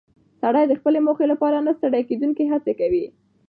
سړی د خپلې موخې لپاره نه ستړې کېدونکې هڅه کوي